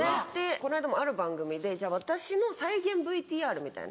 この間もある番組で私の再現ＶＴＲみたいな。